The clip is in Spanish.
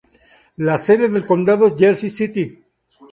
La sede del condado es Jersey City.